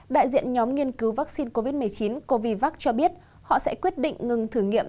đại diện nhóm nghiên cứu vaccine covid một mươi chín covid cho biết họ sẽ quyết định ngừng thử nghiệm